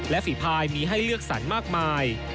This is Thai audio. และฝีพายมีให้เลือกสรรมากมาย